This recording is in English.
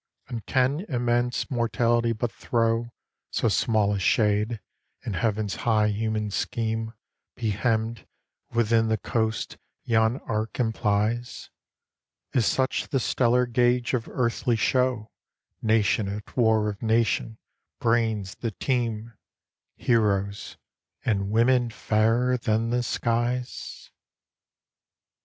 And can immense Mortality but throw So small a shade, and Heaven's high human scheme Be hemmed within the coasts yon arc implies? Is such the stellar gauge of earthly show, Nation at war with nation, brains that teem, Heroes, and women fairer than the skies?